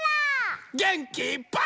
げんきいっぱい。